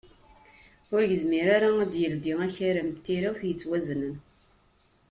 Ur yezmir ara ad d-yeldi akaram n tirawt yettwaznen.